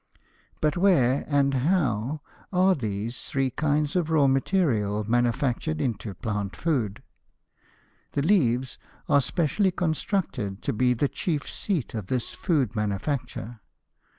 But where and how are these three kinds of raw material manufactured into plant food? The leaves are specially constructed to be the chief seat of this food manufacture.